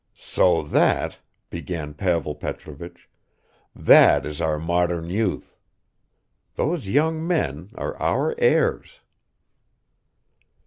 "So that," began Pavel Petrovich, "that is our modern youth! Those young men are our heirs!"